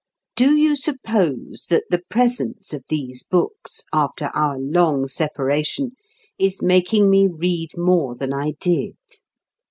Do you suppose that the presence of these books, after our long separation, is making me read more than I did?